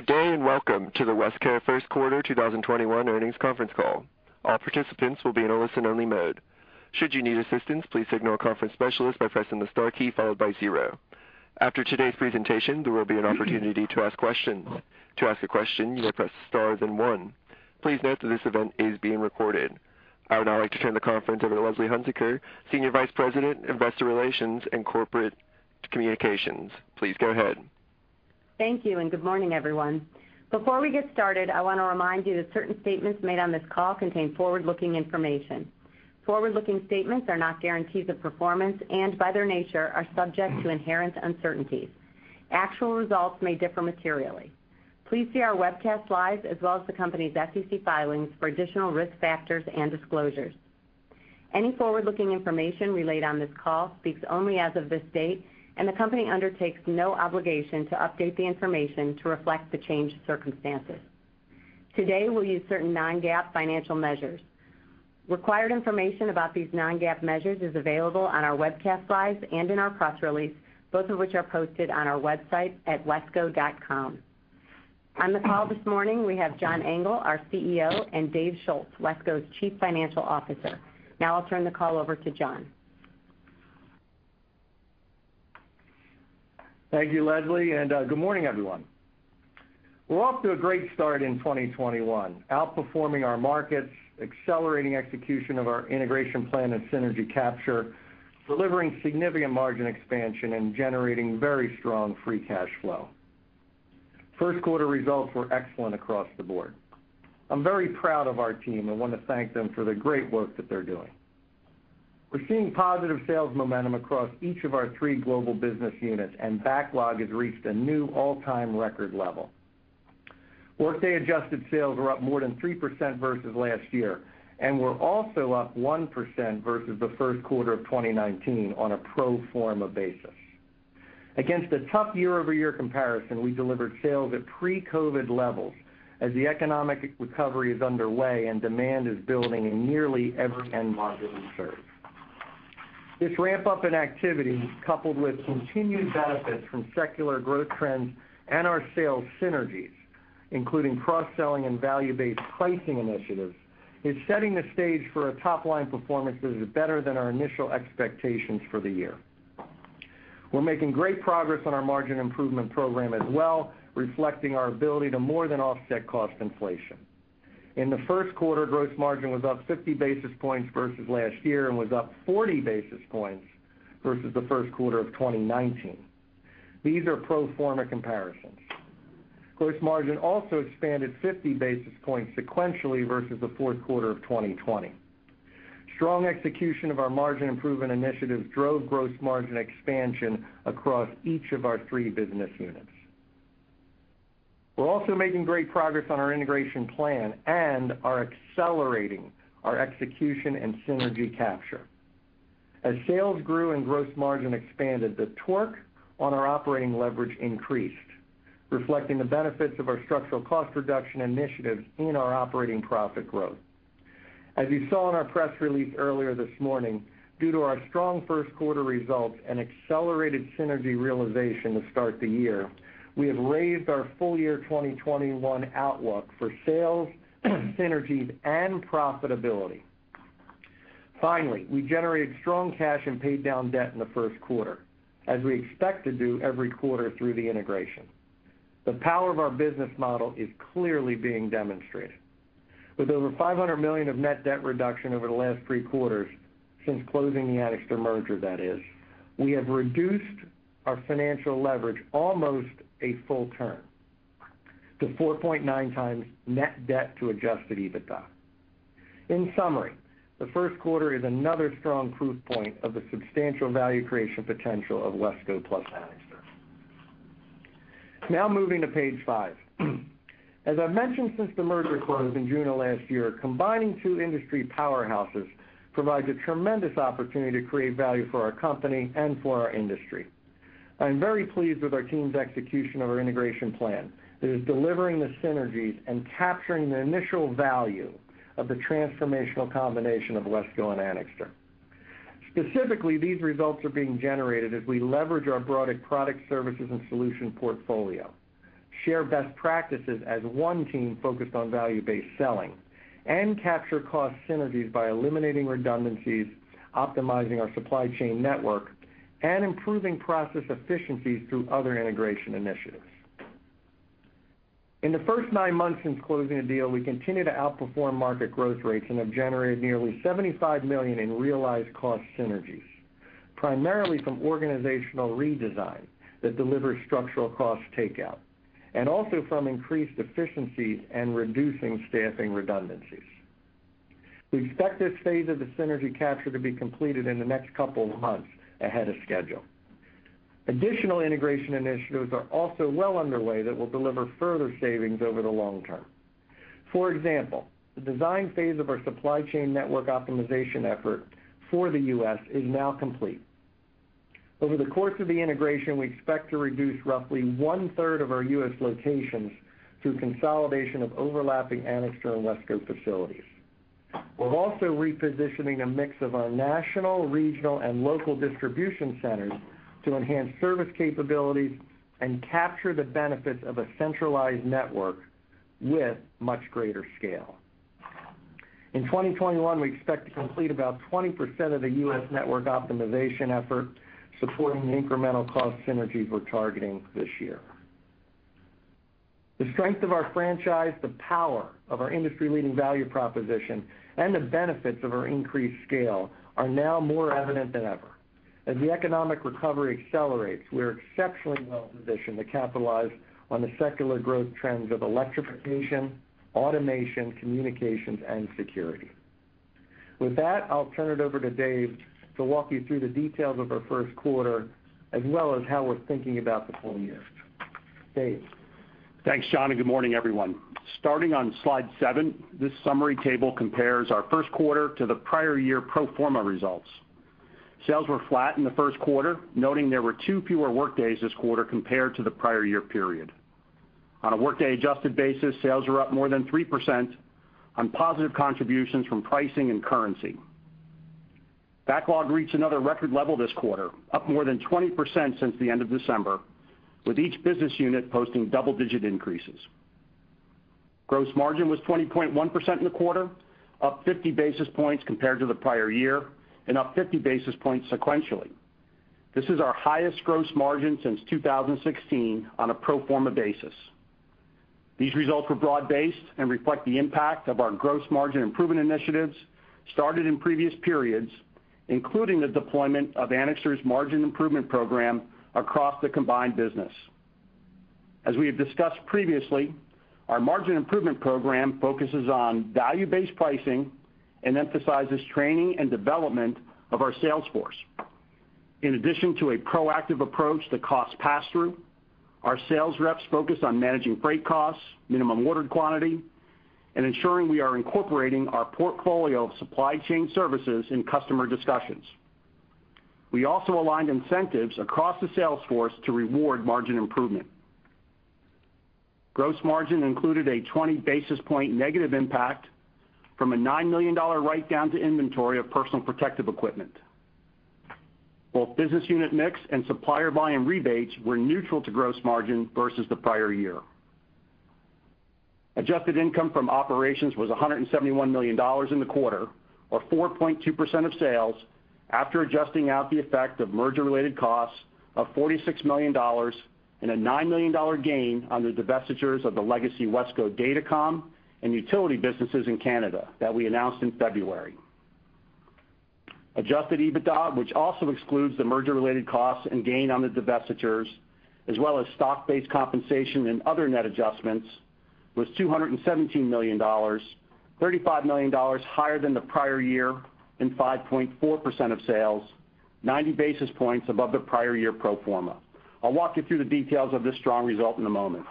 Good day. Welcome to the WESCO first quarter 2021 Earnings Conference Call. All participants will be in a listen-only mode. Should you need assistance, please signal a conference specialist by pressing the star key followed by zero. After today's presentation, there will be an opportunity to ask questions. To ask a question, you will press star then one. Please note that this event is being recorded. I would now like to turn the conference over to Leslie Hunziker, Senior Vice President, Investor Relations and Corporate Communications. Please go ahead. Thank you, and good morning, everyone. Before we get started, I want to remind you that certain statements made on this call contain forward-looking information. Forward-looking statements are not guarantees of performance and by their nature are subject to inherent uncertainties. Actual results may differ materially. Please see our webcast live as well as the company's SEC filings for additional risk factors and disclosures. Any forward-looking information relayed on this call speaks only as of this date, and the company undertakes no obligation to update the information to reflect the changed circumstances. Today, we'll use certain non-GAAP financial measures. Required information about these non-GAAP measures is available on our webcast live and in our press release, both of which are posted on our website at wesco.com. On the call this morning, we have John Engel, our CEO, and Dave Schulz, WESCO's Chief Financial Officer. Now I'll turn the call over to John. Thank you, Leslie, and good morning, everyone. We're off to a great start in 2021, outperforming our markets, accelerating execution of our integration plan and synergy capture, delivering significant margin expansion, and generating very strong free cash flow. First quarter results were excellent across the board. I'm very proud of our team and want to thank them for the great work that they're doing. We're seeing positive sales momentum across each of our three global business units, and backlog has reached a new all-time record level. Workday-adjusted sales were up more than 3% versus last year, and we're also up 1% versus the first quarter of 2019 on a pro forma basis. Against a tough year-over-year comparison, we delivered sales at pre-COVID levels as the economic recovery is underway and demand is building in nearly every end market we serve. This ramp-up in activity, coupled with continued benefits from secular growth trends and our sales synergies, including cross-selling and value-based pricing initiatives, is setting the stage for a top-line performance that is better than our initial expectations for the year. We're making great progress on our margin improvement program as well, reflecting our ability to more than offset cost inflation. In the first quarter, gross margin was up 50 basis points versus last year and was up 40 basis points versus the first quarter of 2019. These are pro forma comparisons. Gross margin also expanded 50 basis points sequentially versus the fourth quarter of 2020. Strong execution of our margin improvement initiatives drove gross margin expansion across each of our three business units. We're also making great progress on our integration plan and are accelerating our execution and synergy capture. As sales grew and gross margin expanded, the torque on our operating leverage increased, reflecting the benefits of our structural cost reduction initiatives in our operating profit growth. As you saw in our press release earlier this morning, due to our strong first quarter results and accelerated synergy realization to start the year, we have raised our full year 2021 outlook for sales, synergies, and profitability. Finally, we generated strong cash and paid down debt in the first quarter, as we expect to do every quarter through the integration. The power of our business model is clearly being demonstrated. With over $500 million of net debt reduction over the last three quarters since closing the Anixter merger, that is, we have reduced our financial leverage almost a full turn to 4.9x net debt to Adjusted EBITDA. In summary, the first quarter is another strong proof point of the substantial value creation potential of WESCO plus Anixter. Now moving to page five. As I've mentioned since the merger closed in June of last year, combining two industry powerhouses provides a tremendous opportunity to create value for our company and for our industry. I am very pleased with our team's execution of our integration plan. It is delivering the synergies and capturing the initial value of the transformational combination of WESCO and Anixter. Specifically, these results are being generated as we leverage our broader product, services, and solution portfolio, share best practices as one team focused on value-based selling, and capture cost synergies by eliminating redundancies, optimizing our supply chain network, and improving process efficiencies through other integration initiatives. In the first nine months since closing the deal, we continue to outperform market growth rates and have generated nearly $75 million in realized cost synergies, primarily from organizational redesign that delivers structural cost takeout and also from increased efficiencies and reducing staffing redundancies. We expect this phase of the synergy capture to be completed in the next couple of months, ahead of schedule. Additional integration initiatives are also well underway that will deliver further savings over the long term. For example, the design phase of our supply chain network optimization effort for the U.S. is now complete. Over the course of the integration, we expect to reduce roughly one-third of our U.S. locations through consolidation of overlapping Anixter and WESCO facilities. We're also repositioning a mix of our national, regional, and local distribution centers to enhance service capabilities and capture the benefits of a centralized network with much greater scale. In 2021, we expect to complete about 20% of the U.S. network optimization effort, supporting the incremental cost synergies we're targeting this year. The strength of our franchise, the power of our industry-leading value proposition, and the benefits of our increased scale are now more evident than ever. As the economic recovery accelerates, we're exceptionally well-positioned to capitalize on the secular growth trends of electrification, automation, communications, and security. With that, I'll turn it over to Dave to walk you through the details of our first quarter, as well as how we're thinking about the full year. Dave? Thanks, John, and good morning, everyone. Starting on slide seven, this summary table compares our first quarter to the prior year pro forma results. Sales were flat in the first quarter, noting there were two fewer workdays this quarter compared to the prior year period. On a workday adjusted basis, sales are up more than 3% on positive contributions from pricing and currency. Backlog reached another record level this quarter, up more than 20% since the end of December, with each business unit posting double-digit increases. Gross margin was 20.1% in the quarter, up 50 basis points compared to the prior year, and up 50 basis points sequentially. This is our highest gross margin since 2016 on a pro forma basis. These results were broad-based and reflect the impact of our gross margin improvement initiatives started in previous periods, including the deployment of Anixter's margin improvement program across the combined business. As we have discussed previously, our margin improvement program focuses on value-based pricing and emphasizes training and development of our sales force. In addition to a proactive approach to cost pass-through, our sales reps focus on managing freight costs, minimum ordered quantity, and ensuring we are incorporating our portfolio of supply chain services in customer discussions. We also aligned incentives across the sales force to reward margin improvement. Gross margin included a 20 basis point negative impact from a $9 million write-down to inventory of personal protective equipment. Both business unit mix and supplier volume rebates were neutral to gross margin versus the prior year. Adjusted income from operations was $171 million in the quarter, or 4.2% of sales, after adjusting out the effect of merger-related costs of $46 million and a $9 million gain on the divestitures of the legacy WESCO Datacom and utility businesses in Canada that we announced in February. Adjusted EBITDA, which also excludes the merger-related costs and gain on the divestitures, as well as stock-based compensation and other net adjustments, was $217 million, $35 million higher than the prior year and 5.4% of sales, 90 basis points above the prior year pro forma. I'll walk you through the details of this strong result in a moment.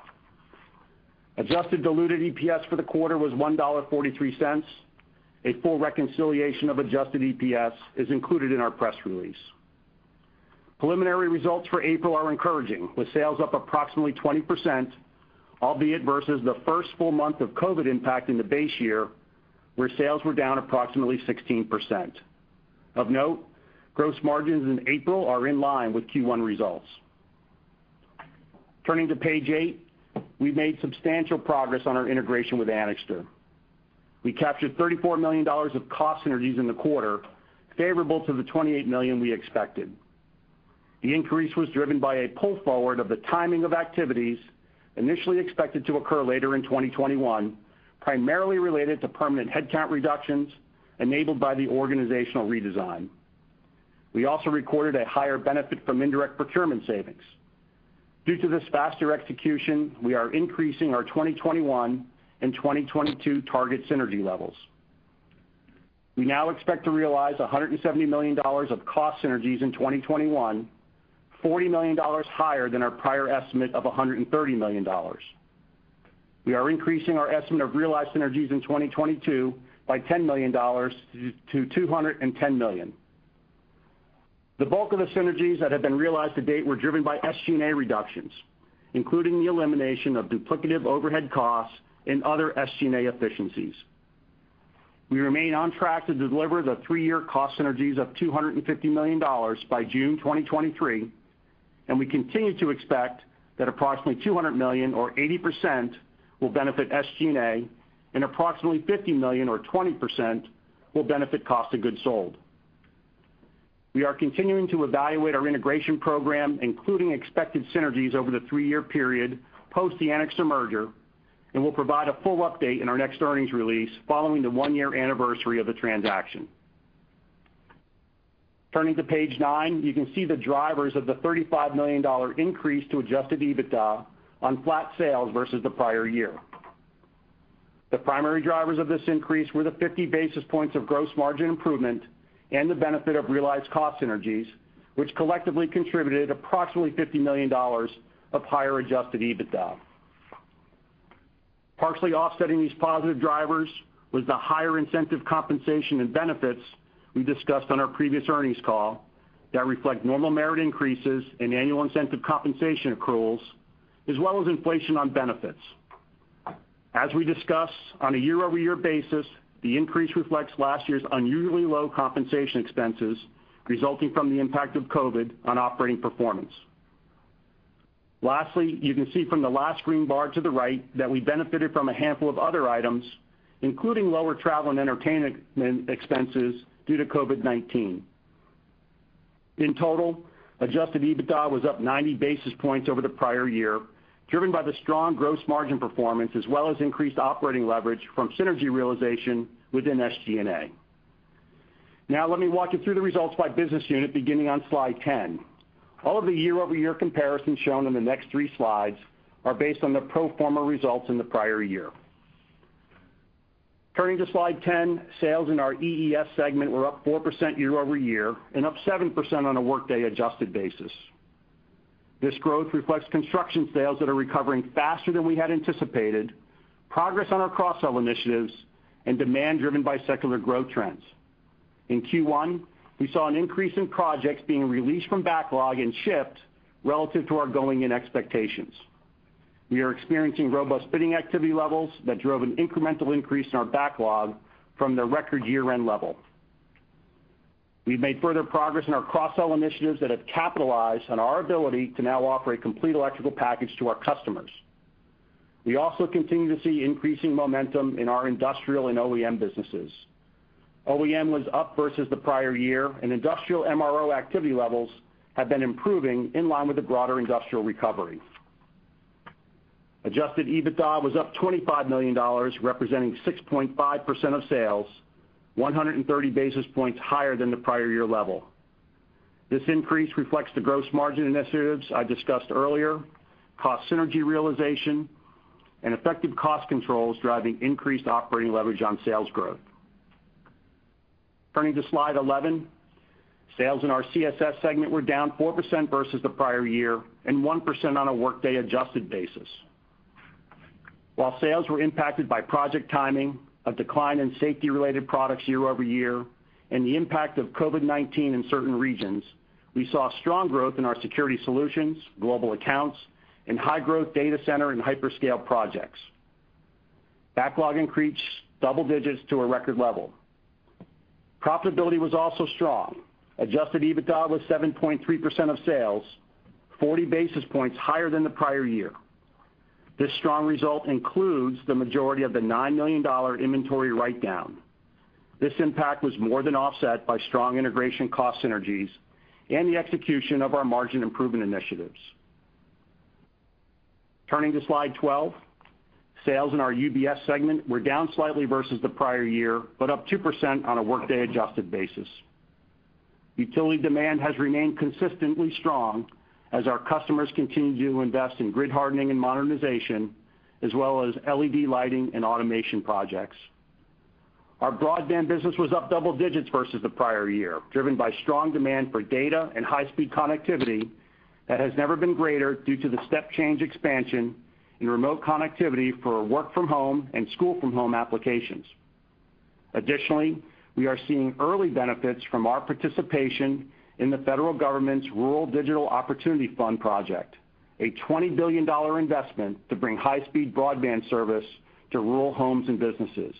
Adjusted diluted EPS for the quarter was $1.43. A full reconciliation of adjusted EPS is included in our press release. Preliminary results for April are encouraging, with sales up approximately 20%, albeit versus the first full month of COVID impact in the base year, where sales were down approximately 16%. Of note, gross margins in April are in line with Q1 results. Turning to page eight, we've made substantial progress on our integration with Anixter. We captured $34 million of cost synergies in the quarter, favorable to the $28 million we expected. The increase was driven by a pull forward of the timing of activities initially expected to occur later in 2021, primarily related to permanent headcount reductions enabled by the organizational redesign. We also recorded a higher benefit from indirect procurement savings. Due to this faster execution, we are increasing our 2021 and 2022 target synergy levels. We now expect to realize $170 million of cost synergies in 2021, $40 million higher than our prior estimate of $130 million. We are increasing our estimate of realized synergies in 2022 by $10 million to $210 million. The bulk of the synergies that have been realized to date were driven by SG&A reductions, including the elimination of duplicative overhead costs and other SG&A efficiencies. We remain on track to deliver the three-year cost synergies of $250 million by June 2023, and we continue to expect that approximately $200 million or 80% will benefit SG&A and approximately $50 million or 20% will benefit cost of goods sold. We are continuing to evaluate our integration program, including expected synergies over the three-year period post the Anixter merger, and we'll provide a full update in our next earnings release following the one-year anniversary of the transaction. Turning to page nine, you can see the drivers of the $35 million increase to Adjusted EBITDA on flat sales versus the prior year. The primary drivers of this increase were the 50 basis points of gross margin improvement and the benefit of realized cost synergies, which collectively contributed approximately $50 million of higher Adjusted EBITDA. Partially offsetting these positive drivers was the higher incentive compensation and benefits we discussed on our previous earnings call that reflect normal merit increases and annual incentive compensation accruals, as well as inflation on benefits. As we discuss on a year-over-year basis, the increase reflects last year's unusually low compensation expenses resulting from the impact of COVID on operating performance. Lastly, you can see from the last green bar to the right that we benefited from a handful of other items, including lower travel and entertainment expenses due to COVID-19. In total, Adjusted EBITDA was up 90 basis points over the prior year, driven by the strong gross margin performance as well as increased operating leverage from synergy realization within SG&A. Now let me walk you through the results by business unit, beginning on slide 10. All of the year-over-year comparisons shown in the next three slides are based on the pro forma results in the prior year. Turning to slide 10, sales in our EES segment were up 4% year-over-year and up 7% on a workday-adjusted basis. This growth reflects construction sales that are recovering faster than we had anticipated, progress on our cross-sell initiatives, and demand driven by secular growth trends. In Q1, we saw an increase in projects being released from backlog and shift relative to our going-in expectations. We are experiencing robust bidding activity levels that drove an incremental increase in our backlog from the record year-end level. We've made further progress in our cross-sell initiatives that have capitalized on our ability to now offer a complete electrical package to our customers. We also continue to see increasing momentum in our industrial and OEM businesses. OEM was up versus the prior year, industrial MRO activity levels have been improving in line with the broader industrial recovery. Adjusted EBITDA was up $25 million, representing 6.5% of sales, 130 basis points higher than the prior year level. This increase reflects the gross margin initiatives I discussed earlier, cost synergy realization, and effective cost controls driving increased operating leverage on sales growth. Turning to slide 11. Sales in our CSS segment were down 4% versus the prior year 1% on a workday-adjusted basis. While sales were impacted by project timing, a decline in safety-related products year-over-year, and the impact of COVID-19 in certain regions, we saw strong growth in our security solutions, global accounts, and high-growth data center and hyperscale projects. Backlog increased double digits to a record level. Profitability was also strong. Adjusted EBITDA was 7.3% of sales, 40 basis points higher than the prior year. This strong result includes the majority of the $9 million inventory write-down. This impact was more than offset by strong integration cost synergies and the execution of our margin improvement initiatives. Turning to slide 12. Sales in our UBS segment were down slightly versus the prior year, but up 2% on a workday-adjusted basis. Utility demand has remained consistently strong as our customers continue to invest in grid hardening and modernization, as well as LED lighting and automation projects. Our broadband business was up double digits versus the prior year, driven by strong demand for data and high-speed connectivity that has never been greater due to the step change expansion in remote connectivity for work-from-home and school-from-home applications. Additionally, we are seeing early benefits from our participation in the federal government's Rural Digital Opportunity Fund, a $20 billion investment to bring high-speed broadband service to rural homes and businesses.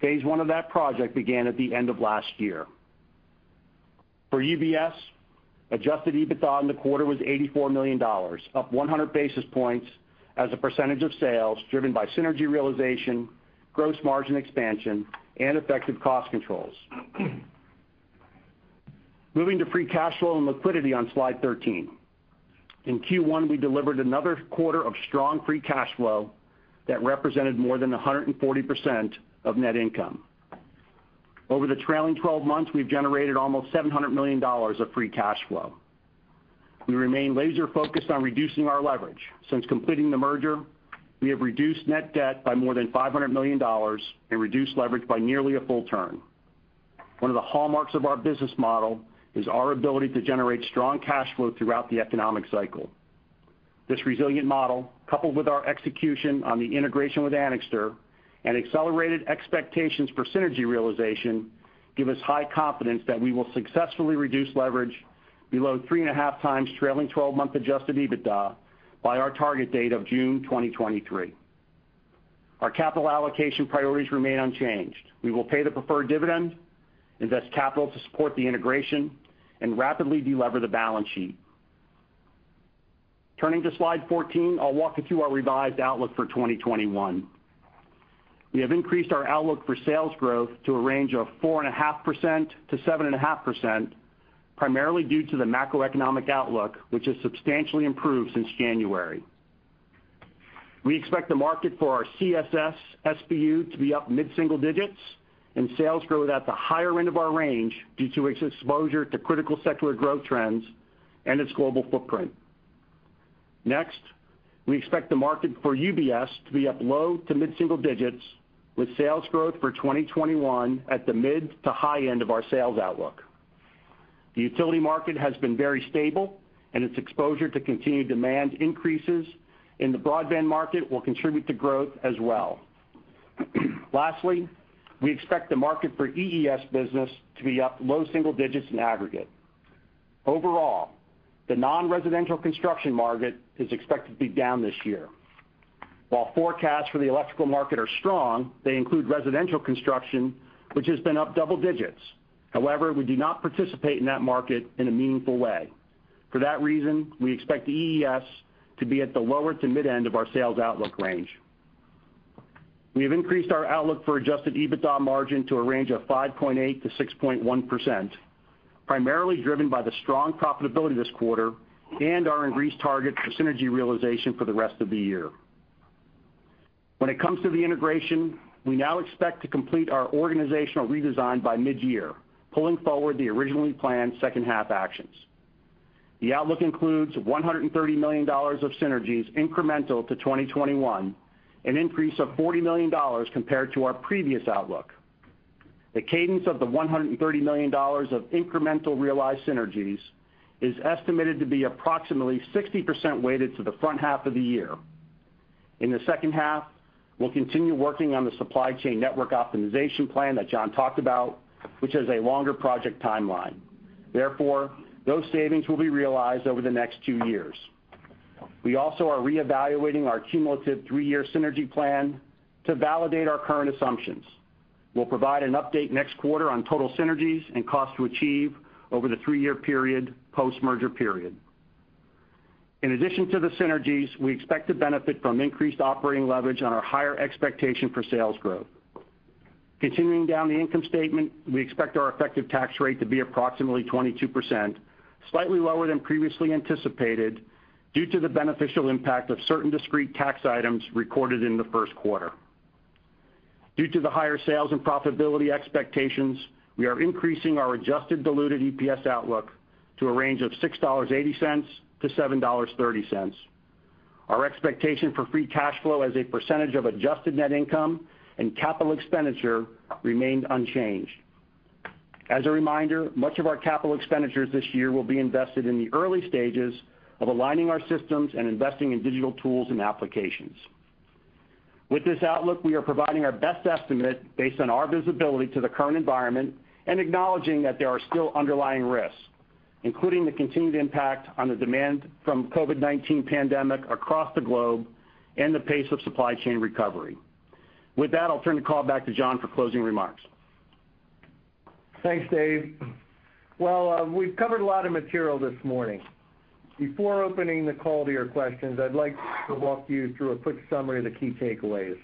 Phase one of that project began at the end of last year. For UBS, Adjusted EBITDA in the quarter was $84 million, up 100 basis points as a percentage of sales driven by synergy realization, gross margin expansion, and effective cost controls. Moving to free cash flow and liquidity on slide 13. In Q1, we delivered another quarter of strong free cash flow that represented more than 140% of net income. Over the trailing 12 months, we've generated almost $700 million of free cash flow. We remain laser-focused on reducing our leverage. Since completing the merger, we have reduced net debt by more than $500 million and reduced leverage by nearly a full turn. One of the hallmarks of our business model is our ability to generate strong cash flow throughout the economic cycle. This resilient model, coupled with our execution on the integration with Anixter and accelerated expectations for synergy realization, give us high confidence that we will successfully reduce leverage below 3.5x trailing 12-month Adjusted EBITDA by our target date of June 2023. Our capital allocation priorities remain unchanged. We will pay the preferred dividend, invest capital to support the integration, and rapidly de-lever the balance sheet. Turning to slide 14. I'll walk you through our revised outlook for 2021. We have increased our outlook for sales growth to a range of 4.5%-7.5%, primarily due to the macroeconomic outlook, which has substantially improved since January. We expect the market for our CSS SBU to be up mid-single digits and sales growth at the higher end of our range due to its exposure to critical secular growth trends and its global footprint. We expect the market for UBS to be up low to mid-single digits, with sales growth for 2021 at the mid to high end of our sales outlook. The utility market has been very stable, and its exposure to continued demand increases in the broadband market will contribute to growth as well. We expect the market for EES business to be up low single digits in aggregate. Overall, the non-residential construction market is expected to be down this year. While forecasts for the electrical market are strong, they include residential construction, which has been up double digits. However, we do not participate in that market in a meaningful way. For that reason, we expect EES to be at the lower to mid end of our sales outlook range. We have increased our outlook for Adjusted EBITDA margin to a range of 5.8%-6.1%, primarily driven by the strong profitability this quarter and our increased target for synergy realization for the rest of the year. When it comes to the integration, we now expect to complete our organizational redesign by mid-year, pulling forward the originally planned second half actions. The outlook includes $130 million of synergies incremental to 2021, an increase of $40 million compared to our previous outlook. The cadence of the $130 million of incremental realized synergies is estimated to be approximately 60% weighted to the front half of the year. In the second half, we'll continue working on the supply chain network optimization plan that John talked about, which has a longer project timeline. Therefore, those savings will be realized over the next two years. We also are reevaluating our cumulative three-year synergy plan to validate our current assumptions. We'll provide an update next quarter on total synergies and cost to achieve over the three-year period post-merger period. In addition to the synergies, we expect to benefit from increased operating leverage on our higher expectation for sales growth. Continuing down the income statement, we expect our effective tax rate to be approximately 22%, slightly lower than previously anticipated due to the beneficial impact of certain discrete tax items recorded in the first quarter. Due to the higher sales and profitability expectations, we are increasing our adjusted diluted EPS outlook to a range of $6.80-$7.30. Our expectation for free cash flow as a percentage of adjusted net income and capital expenditure remains unchanged. As a reminder, much of our capital expenditures this year will be invested in the early stages of aligning our systems and investing in digital tools and applications. With this outlook, we are providing our best estimate based on our visibility to the current environment and acknowledging that there are still underlying risks, including the continued impact on the demand from COVID-19 pandemic across the globe and the pace of supply chain recovery. With that, I'll turn the call back to John for closing remarks. Thanks, Dave. Well, we've covered a lot of material this morning. Before opening the call to your questions, I'd like to walk you through a quick summary of the key takeaways.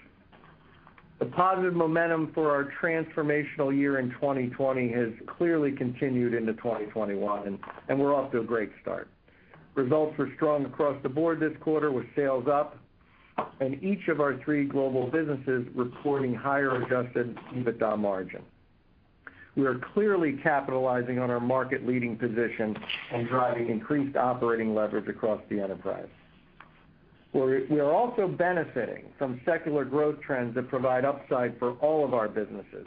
The positive momentum for our transformational year in 2020 has clearly continued into 2021, and we're off to a great start. Results were strong across the board this quarter with sales up and each of our three global businesses reporting higher Adjusted EBITDA margin. We are clearly capitalizing on our market-leading position and driving increased operating leverage across the enterprise. We are also benefiting from secular growth trends that provide upside for all of our businesses,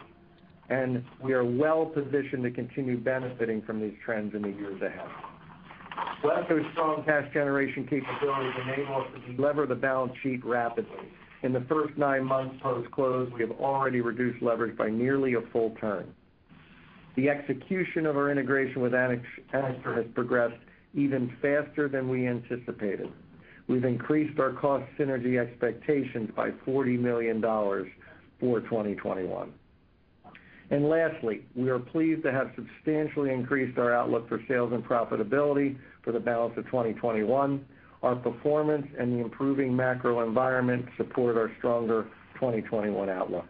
and we are well-positioned to continue benefiting from these trends in the years ahead. WESCO's strong cash generation capabilities enable us to de-lever the balance sheet rapidly. In the first nine months post-close, we have already reduced leverage by nearly a full turn. The execution of our integration with Anixter has progressed even faster than we anticipated. We've increased our cost synergy expectations by $40 million for 2021. Lastly, we are pleased to have substantially increased our outlook for sales and profitability for the balance of 2021. Our performance and the improving macro environment support our stronger 2021 outlook.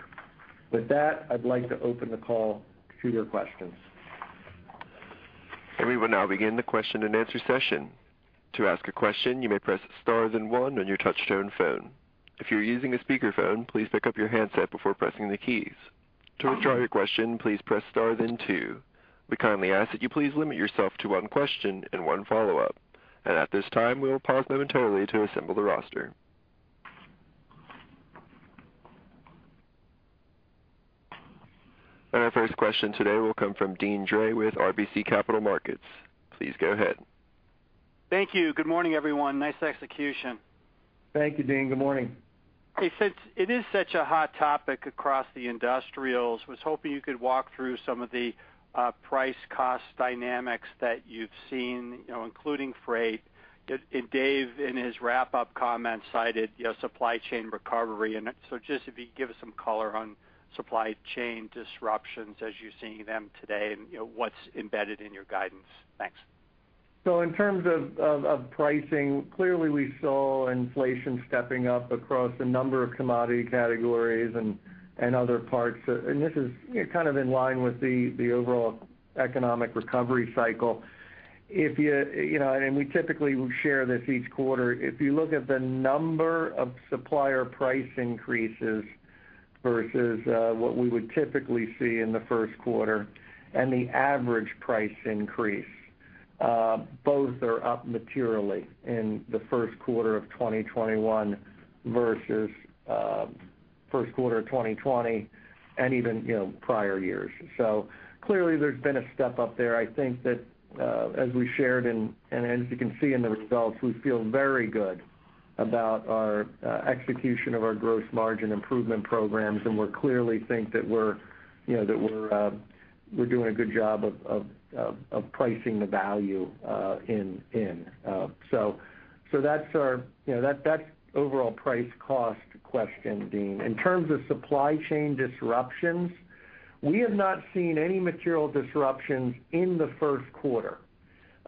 With that, I'd like to open the call to your questions. We will now begin the question-and-answer session. To ask a question, you may press star then one on your touch-tone phone. If you're using a speakerphone, please pick up your handset before pressing the keys. To withdraw your question, please press star then two. We kindly ask that you please limit yourself to one question and one follow-up. At this time, we will pause momentarily to assemble the roster. Our first question today will come from Deane Dray with RBC Capital Markets. Please go ahead. Thank you. Good morning, everyone. Nice execution. Thank you, Deane. Good morning. Hey, since it is such a hot topic across the industrials, was hoping you could walk through some of the price cost dynamics that you've seen, including freight. Dave, in his wrap-up comments cited supply chain recovery. Just if you could give us some color on supply chain disruptions as you're seeing them today and what's embedded in your guidance. Thanks. In terms of pricing, clearly we saw inflation stepping up across a number of commodity categories and other parts, and this is kind of in line with the overall economic recovery cycle. We typically share this each quarter. If you look at the number of supplier price increases versus what we would typically see in the first quarter and the average price increase, both are up materially in the first quarter of 2021 versus first quarter of 2020 and even prior years. Clearly there's been a step up there. I think that, as we shared and as you can see in the results, we feel very good about our execution of our gross margin improvement programs, and we clearly think that we're doing a good job of pricing the value in. That's overall price cost question, Deane. In terms of supply chain disruptions, we have not seen any material disruptions in the first quarter.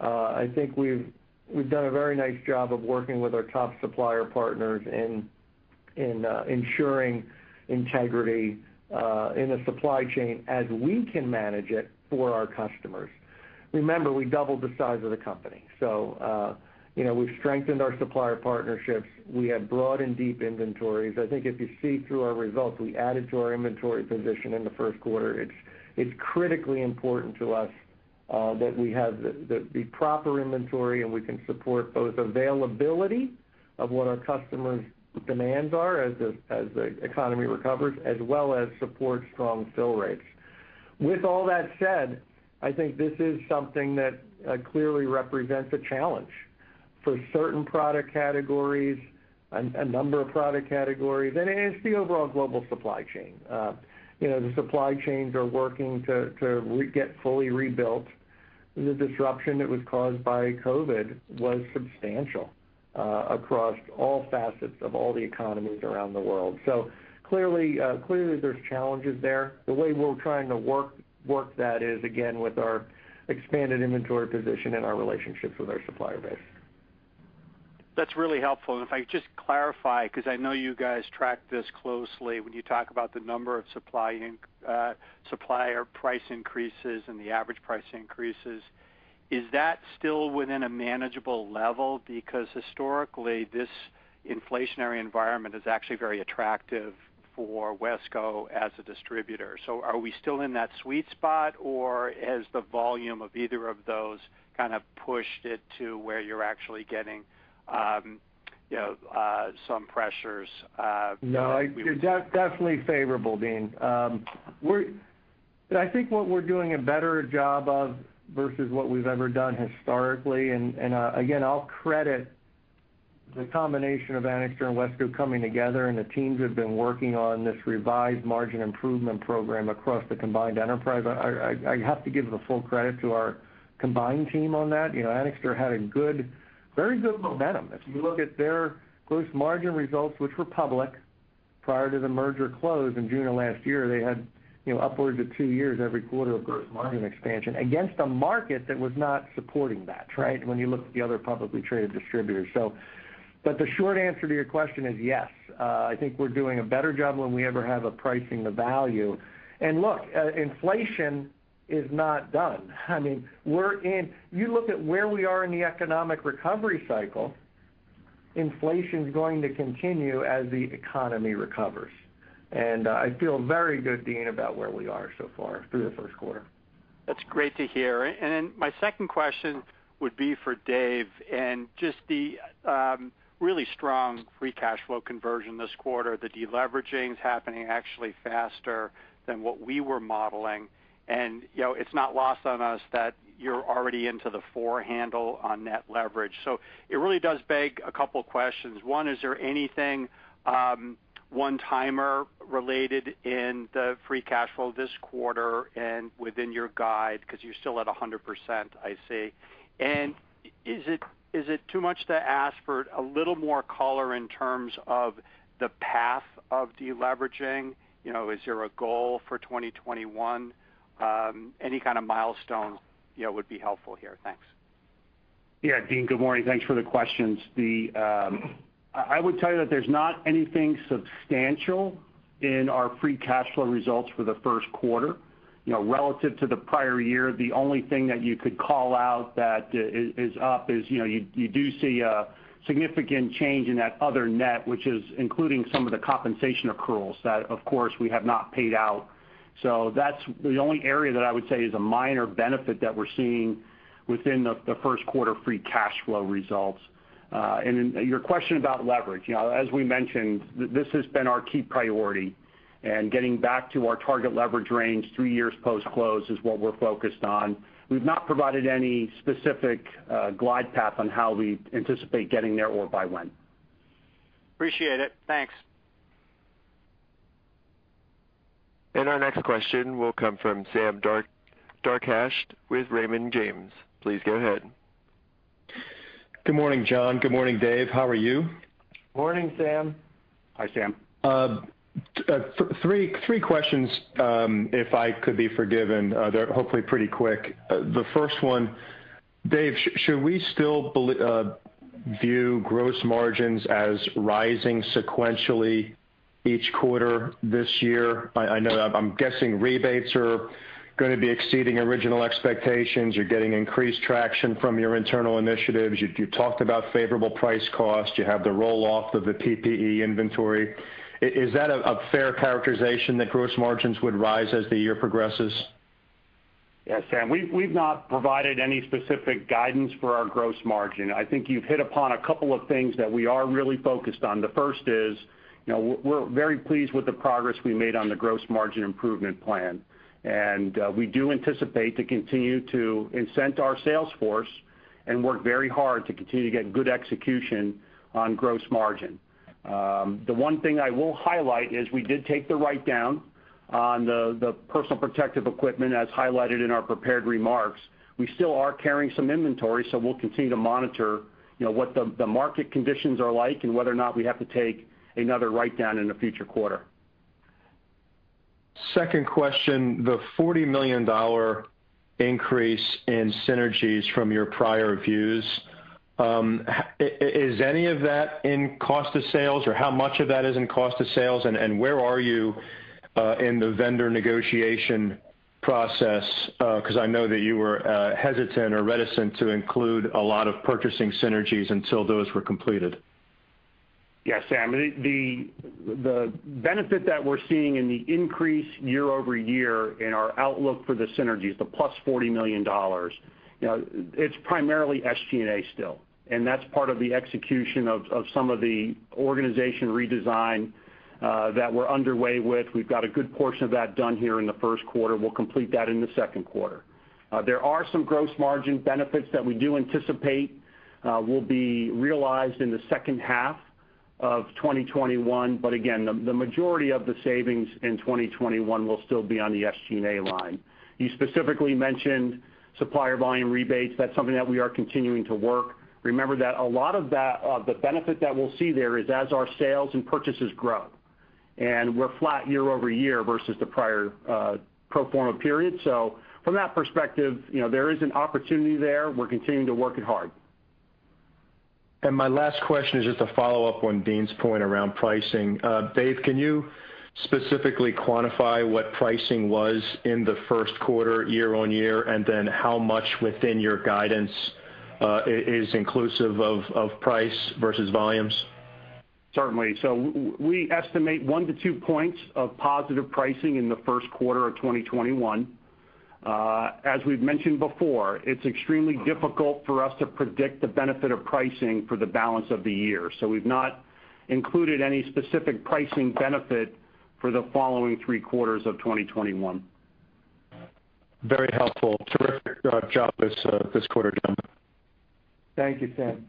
I think we've done a very nice job of working with our top supplier partners in ensuring integrity in the supply chain as we can manage it for our customers. Remember, we doubled the size of the company. We've strengthened our supplier partnerships. We have broad and deep inventories. I think if you see through our results, we added to our inventory position in the first quarter. It's critically important to us that we have the proper inventory, and we can support both availability of what our customers' demands are as the economy recovers, as well as support strong fill rates. With all that said, I think this is something that clearly represents a challenge for certain product categories, a number of product categories, and it's the overall global supply chain. The supply chains are working to get fully rebuilt. The disruption that was caused by COVID was substantial across all facets of all the economies around the world. Clearly, there's challenges there. The way we're trying to work that is, again, with our expanded inventory position and our relationships with our supplier base. That's really helpful. If I could just clarify, because I know you guys track this closely when you talk about the number of supplier price increases and the average price increases. Is that still within a manageable level? Historically, this inflationary environment is actually very attractive for WESCO as a distributor. Are we still in that sweet spot, or has the volume of either of those kind of pushed it to where you're actually getting some pressures? No, definitely favorable, Deane Dray. I think what we're doing a better job of versus what we've ever done historically, and again, I'll credit the combination of Anixter and WESCO coming together, and the teams have been working on this revised margin improvement program across the combined enterprise. I have to give the full credit to our combined team on that. Anixter had a very good momentum. If you look at their gross margin results, which were public, prior to the merger close in June of last year, they had upwards of two years every quarter of gross margin expansion against a market that was not supporting that, right, when you look at the other publicly traded distributors. The short answer to your question is, yes. I think we're doing a better job than we ever have of pricing the value. Look, inflation is not done. You look at where we are in the economic recovery cycle, inflation's going to continue as the economy recovers. I feel very good, Deane, about where we are so far through the first quarter. That's great to hear. My second question would be for Dave and just the really strong free cash flow conversion this quarter. The deleveraging's happening actually faster than what we were modeling. It's not lost on us that you're already into the four handle on net leverage. It really does beg a couple questions. One, is there anything one-timer related in the free cash flow this quarter and within your guide? You're still at 100%, I see. Is it too much to ask for a little more color in terms of the path of deleveraging? Is there a goal for 2021? Any kind of milestone would be helpful here. Thanks. Yeah, Deane, good morning. Thanks for the questions. I would tell you that there's not anything substantial in our free cash flow results for the first quarter. Relative to the prior year, the only thing that you could call out that is up is you do see a significant change in that other net, which is including some of the compensation accruals that, of course, we have not paid out. That's the only area that I would say is a minor benefit that we're seeing within the first quarter free cash flow results. Your question about leverage. As we mentioned, this has been our key priority, and getting back to our target leverage range three years post-close is what we're focused on. We've not provided any specific glide path on how we anticipate getting there or by when. Appreciate it. Thanks. Our next question will come from Sam Darkatsh with Raymond James. Please go ahead. Good morning, John. Good morning, Dave. How are you? Morning, Sam. Hi, Sam. Three questions, if I could be forgiven. They're hopefully pretty quick. The first one, Dave, should we still view gross margins as rising sequentially each quarter this year? I'm guessing rebates are going to be exceeding original expectations. You're getting increased traction from your internal initiatives. You talked about favorable price cost. You have the roll-off of the PPE inventory. Is that a fair characterization that gross margins would rise as the year progresses? Yeah, Sam. We've not provided any specific guidance for our gross margin. I think you've hit upon a couple of things that we are really focused on. The first is, we're very pleased with the progress we made on the gross margin improvement plan, and we do anticipate to continue to incent our sales force and work very hard to continue to get good execution on gross margin. The one thing I will highlight is we did take the write-down on the personal protective equipment, as highlighted in our prepared remarks. We still are carrying some inventory, so we'll continue to monitor what the market conditions are like and whether or not we have to take another write-down in a future quarter. Second question, the $40 million increase in synergies from your prior views, is any of that in cost of sales, or how much of that is in cost of sales, and where are you in the vendor negotiation process? I know that you were hesitant or reticent to include a lot of purchasing synergies until those were completed. Yes, Sam. The benefit that we're seeing in the increase year-over-year in our outlook for the synergies, the plus $40 million, it's primarily SG&A still, and that's part of the execution of some of the organization redesign that we're underway with. We've got a good portion of that done here in the first quarter. We'll complete that in the second quarter. There are some gross margin benefits that we do anticipate will be realized in the second half of 2021. Again, the majority of the savings in 2021 will still be on the SG&A line. You specifically mentioned supplier volume rebates. That's something that we are continuing to work. Remember that a lot of the benefit that we'll see there is as our sales and purchases grow. We're flat year-over-year versus the prior pro forma period. From that perspective, there is an opportunity there. We're continuing to work it hard. My last question is just a follow-up on Deane's point around pricing. Dave, can you specifically quantify what pricing was in the first quarter year-over-year, and then how much within your guidance is inclusive of price versus volumes? Certainly. We estimate one to two points of positive pricing in the first quarter of 2021. As we've mentioned before, it's extremely difficult for us to predict the benefit of pricing for the balance of the year. We've not included any specific pricing benefit for the following three quarters of 2021. Very helpful. Terrific job this quarter, gentlemen. Thank you, Sam.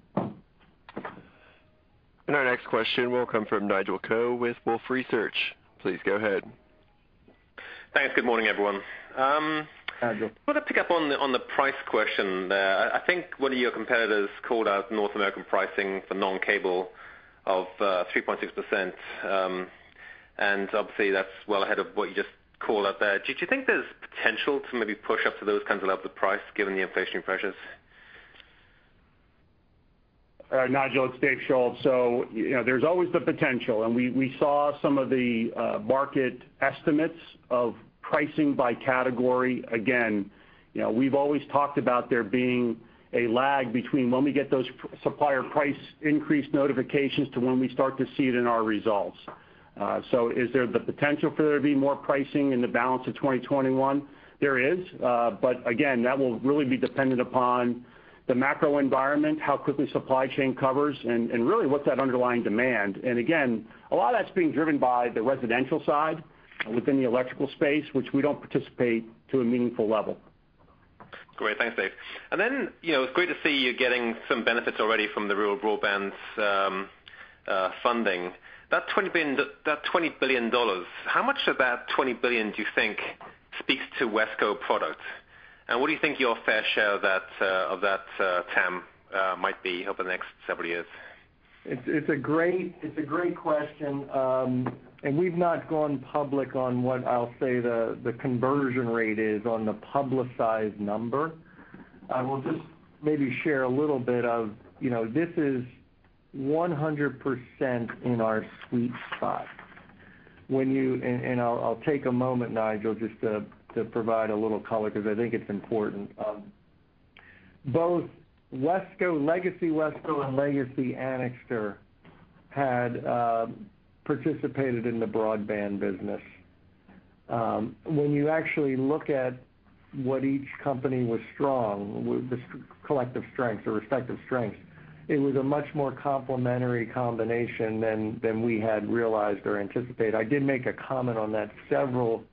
Our next question will come from Nigel Coe with Wolfe Research. Please go ahead. Thanks. Good morning, everyone. Nigel. I want to pick up on the price question there. I think one of your competitors called out North American pricing for non-cable of 3.6%, and obviously, that's well ahead of what you just called out there. Do you think there's potential to maybe push up to those kinds of levels of price given the inflationary pressures? Nigel, it's Dave Schulz. There's always the potential, and we saw some of the market estimates of pricing by category. Again, we've always talked about there being a lag between when we get those supplier price increase notifications to when we start to see it in our results. Is there the potential for there to be more pricing in the balance of 2021? There is. Again, that will really be dependent upon the macro environment, how quickly supply chain covers and really what's that underlying demand. Again, a lot of that's being driven by the residential side within the electrical space, which we don't participate to a meaningful level. Great. Thanks, Dave. It's great to see you're getting some benefits already from the rural broadband funding. That $20 billion, how much of that $20 billion do you think speaks to WESCO product? What do you think your fair share of that TAM might be over the next several years? It's a great question. We've not gone public on what I'll say the conversion rate is on the publicized number. I will just maybe share a little bit of, this is 100% in our sweet spot. I'll take a moment, Nigel, just to provide a little color because I think it's important. Both legacy WESCO and legacy Anixter had participated in the broadband business. When you actually look at what each company was strong, the collective strengths or respective strengths, it was a much more complementary combination than we had realized or anticipated. I did make a comment on that several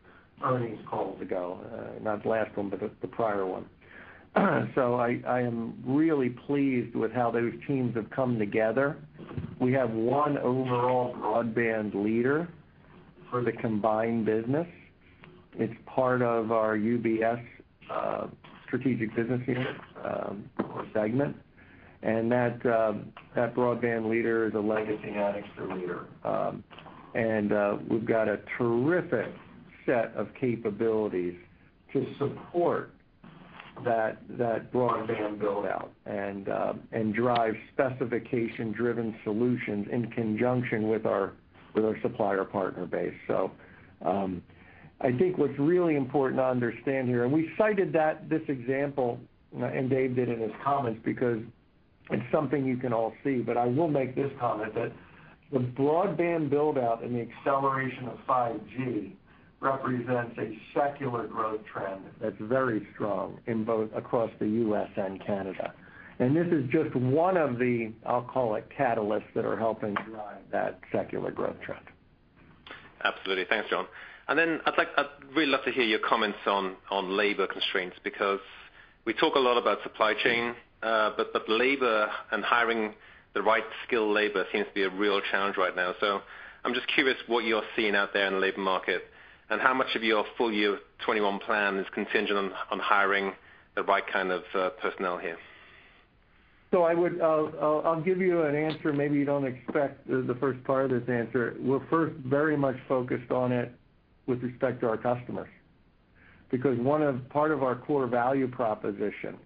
earnings calls ago. Not the last one, but the prior one. I am really pleased with how those teams have come together. We have one overall broadband leader for the combined business. It's part of our UBS strategic business unit or segment. That broadband leader is a legacy Anixter leader. We've got a terrific set of capabilities to support that broadband build-out and drive specification-driven solutions in conjunction with our supplier partner base. I think what's really important to understand here, and we cited this example, and Dave did in his comments, because it's something you can all see, but I will make this comment that the broadband build-out and the acceleration of 5G represents a secular growth trend that's very strong across the U.S. and Canada. This is just one of the, I'll call it catalysts that are helping drive that secular growth trend. Absolutely. Thanks, John. I'd really love to hear your comments on labor constraints, because we talk a lot about supply chain, but labor and hiring the right skill labor seems to be a real challenge right now. I'm just curious what you're seeing out there in the labor market and how much of your full year 2021 plan is contingent on hiring the right kind of personnel here. I'll give you an answer maybe you don't expect the first part of this answer. We're first very much focused on it with respect to our customers. Part of our core value proposition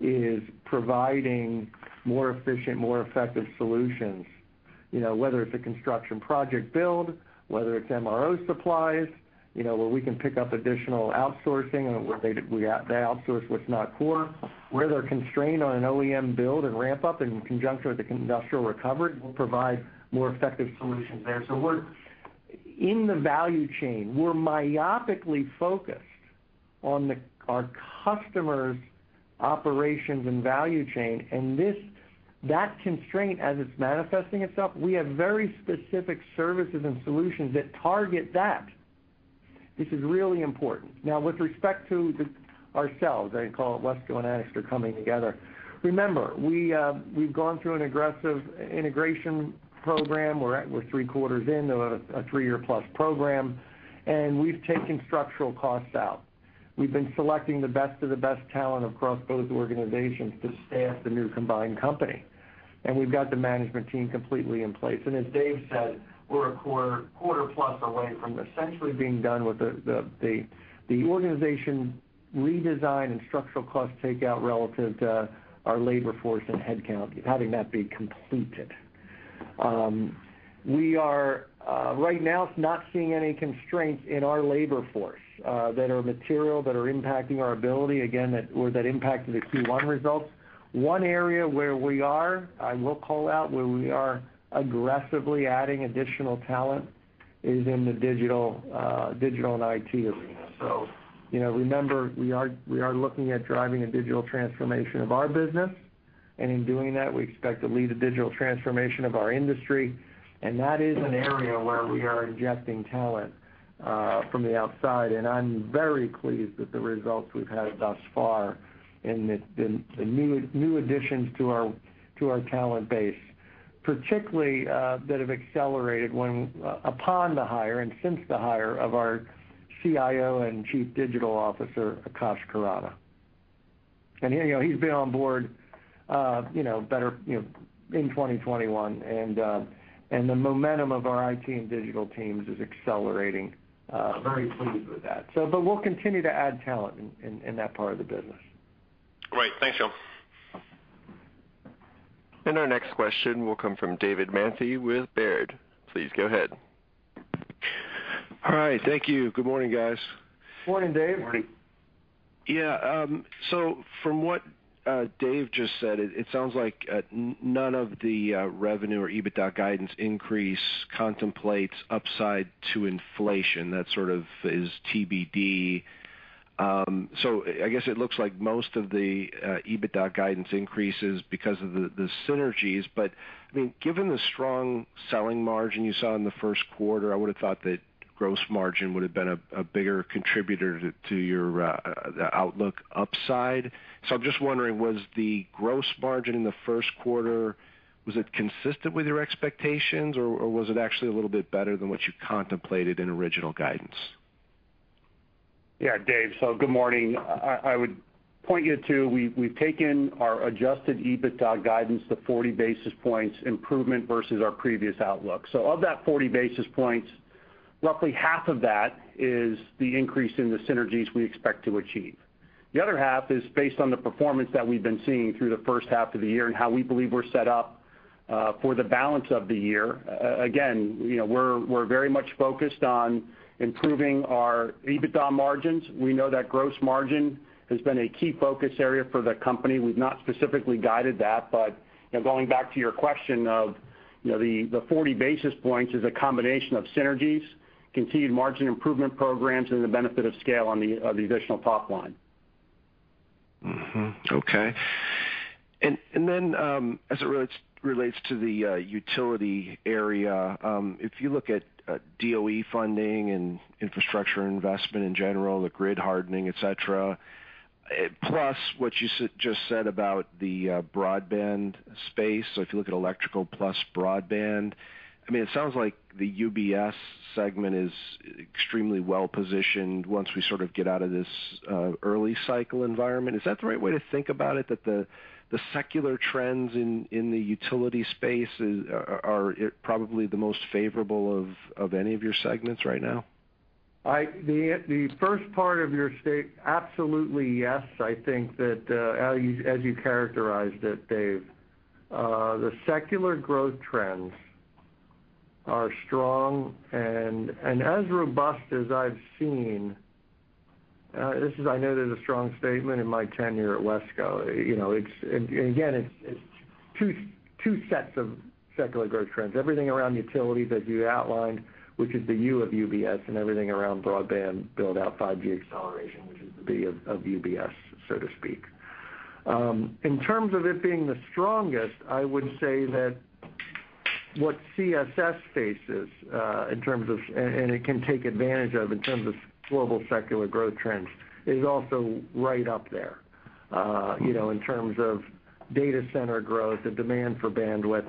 is providing more efficient, more effective solutions. Whether it's a construction project build, whether it's MRO supplies, where we can pick up additional outsourcing and where they outsource what's not core, where they're constrained on an OEM build and ramp up in conjunction with the industrial recovery, we'll provide more effective solutions there. In the value chain, we're myopically focused on our customers' operations and value chain, and that constraint, as it's manifesting itself, we have very specific services and solutions that target that. This is really important. With respect to ourselves, I call it WESCO and Anixter coming together. Remember, we've gone through an aggressive integration program. We're three quarters in of a three-year plus program, we've taken structural costs out. We've been selecting the best of the best talent across both organizations to staff the new combined company. We've got the management team completely in place. As Dave said, we're a quarter plus away from essentially being done with the organization redesign and structural cost takeout relative to our labor force and headcount, having that be completed. We are, right now, not seeing any constraints in our labor force that are material, that are impacting our ability, again, or that impacted the Q1 results. One area where we are, I will call out, where we are aggressively adding additional talent is in the digital and IT arena. Remember, we are looking at driving a digital transformation of our business. In doing that, we expect to lead a digital transformation of our industry. That is an area where we are ingesting talent from the outside. I'm very pleased with the results we've had thus far in the new additions to our talent base, particularly that have accelerated upon the hire and since the hire of our CIO and Chief Digital Officer, Akash Khurana. He's been on board in 2021, and the momentum of our IT and digital teams is accelerating. Very pleased with that. We'll continue to add talent in that part of the business. Great. Thanks, John. Our next question will come from David Manthey with Baird. Please go ahead. All right. Thank you. Good morning, guys. Morning, Dave. Morning. From what Dave just said, it sounds like none of the revenue or EBITDA guidance increase contemplates upside to inflation. That sort of is TBD. I guess it looks like most of the EBITDA guidance increase is because of the synergies. Given the strong selling margin you saw in the first quarter, I would've thought that gross margin would've been a bigger contributor to your outlook upside. I'm just wondering, was the gross margin in the first quarter, was it consistent with your expectations or was it actually a little bit better than what you contemplated in original guidance? Dave. Good morning. I would point you to, we've taken our Adjusted EBITDA guidance to 40 basis points improvement versus our previous outlook. Of that 40 basis points, roughly half of that is the increase in the synergies we expect to achieve. The other half is based on the performance that we've been seeing through the first half of the year and how we believe we're set up for the balance of the year. Again, we're very much focused on improving our EBITDA margins. We know that gross margin has been a key focus area for the company. We've not specifically guided that. Going back to your question of the 40 basis points is a combination of synergies, continued margin improvement programs, and the benefit of scale on the additional top line. Okay. As it relates to the utility area, if you look at DOE funding and infrastructure investment in general, the grid hardening, et cetera, plus what you just said about the broadband space, if you look at electrical plus broadband, it sounds like the UBS segment is extremely well-positioned once we sort of get out of this early cycle environment. Is that the right way to think about it? The secular trends in the utility space are probably the most favorable of any of your segments right now? The first part of your state, absolutely yes. I think that as you characterized it, Dave, the secular growth trends are strong and as robust as I've seen. I know that's a strong statement in my tenure at WESCO. Again, it's two sets of secular growth trends. Everything around utilities, as you outlined, which is the U of UBS, and everything around broadband build-out 5G acceleration, which is the B of UBS, so to speak. In terms of it being the strongest, I would say that what CSS faces, and it can take advantage of in terms of global secular growth trends, is also right up there in terms of data center growth and demand for bandwidth.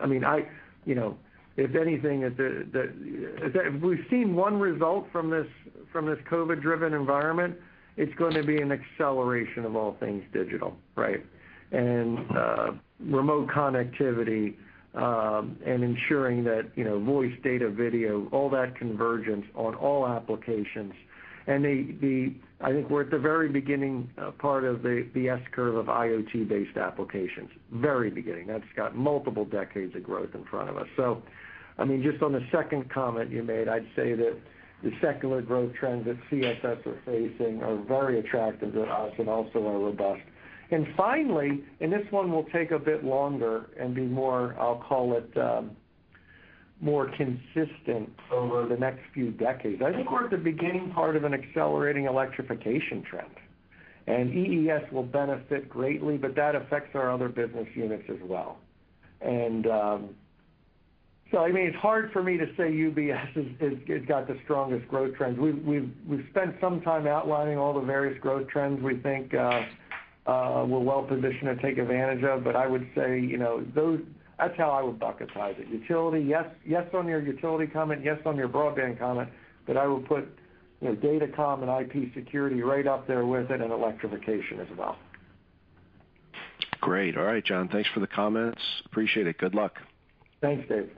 If anything, if we've seen one result from this COVID-driven environment, it's going to be an acceleration of all things digital, right? Remote connectivity, and ensuring that voice, data, video, all that convergence on all applications. I think we're at the very beginning part of the S-curve of IoT-based applications. Very beginning. That's got multiple decades of growth in front of us. Just on the second comment you made, I'd say that the secular growth trends that CSS are facing are very attractive to us and also are robust. Finally, and this one will take a bit longer and be more, I'll call it, more consistent over the next few decades. I think we're at the beginning part of an accelerating electrification trend, and EES will benefit greatly, but that affects our other business units as well. It's hard for me to say UBS has got the strongest growth trends. We've spent some time outlining all the various growth trends we think we're well-positioned to take advantage of. I would say, that's how I would bucketize it. Utility, yes on your utility comment, yes on your broadband comment, I would put Datacom and IP security right up there with it, and electrification as well. Great. All right, John, thanks for the comments. Appreciate it. Good luck. Thanks, Dave.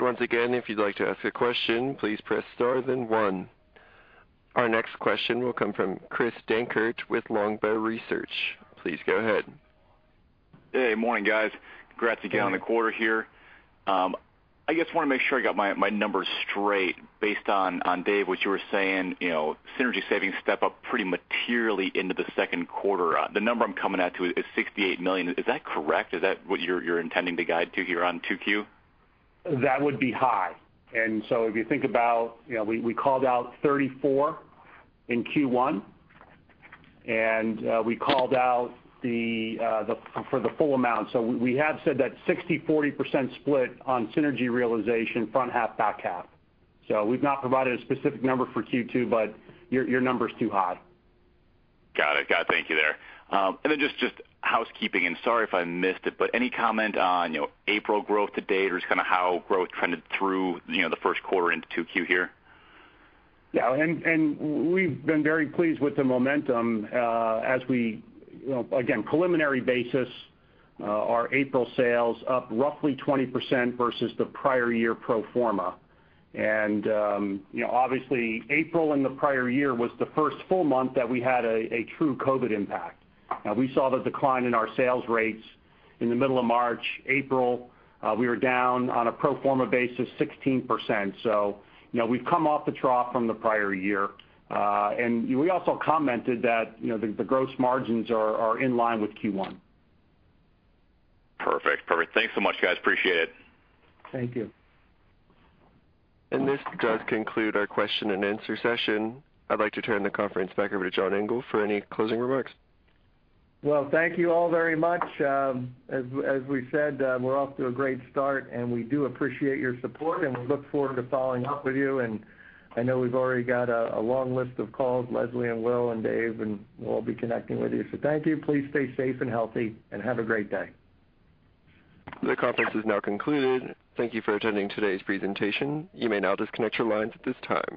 Once again, if you'd like to ask a question, please press star then one. Our next question will come from Chris Dankert with Longbow Research. Please go ahead. Hey, morning, guys. Congrats again on the quarter here. I just want to make sure I got my numbers straight based on, Dave, what you were saying, synergy savings step up pretty materially into the second quarter. The number I'm coming at to is $68 million. Is that correct? Is that what you're intending to guide to here on 2Q? That would be high. If you think about, we called out 34 in Q1, and we called out for the full amount. We have said that 60%/40% split on synergy realization front half, back half. We've not provided a specific number for Q2, but your number's too high. Got it. Thank you there. Just housekeeping, and sorry if I missed it, but any comment on April growth to date or just kind of how growth trended through the first quarter into 2Q here? Yeah. We've been very pleased with the momentum as we, again, preliminary basis, our April sales up roughly 20% versus the prior year pro forma. Obviously April in the prior year was the first full month that we had a true COVID impact. We saw the decline in our sales rates in the middle of March. April, we were down on a pro forma basis 16%. We've come off the trough from the prior year. We also commented that the gross margins are in line with Q1. Perfect. Thanks so much, guys. Appreciate it. Thank you. This does conclude our question-and-answer session. I'd like to turn the conference back over to John Engel for any closing remarks. Well, thank you all very much. As we said, we're off to a great start. We do appreciate your support. We look forward to following up with you. I know we've already got a long list of calls, Leslie and Will and Dave. We'll be connecting with you. Thank you. Please stay safe and healthy. Have a great day. The conference is now concluded. Thank you for attending today's presentation. You may now disconnect your lines at this time.